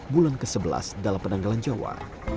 bulan ke sebelas dalam penanggalan jawa